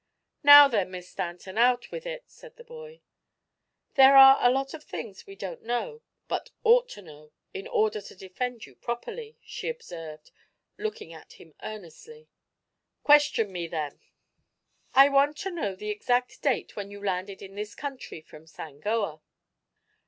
"Now, then, Miss Stanton, out with it!" said the boy. "There are a lot of things we don't know, but ought to know, in order to defend you properly," she observed, looking at him earnestly. "Question me, then." "I want to know the exact date when you landed in this country from Sangoa."